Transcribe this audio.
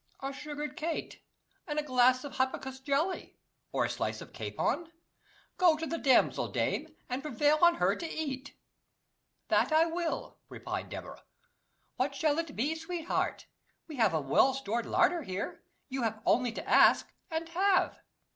A sugared cate, and a glass of hypocras jelly, or a slice of capon? Go to the damsel, dame, and prevail on her to eat." "That will I," replied Deborah. "What shall it be, sweetheart? We have a well stored larder here. You have only to ask and have."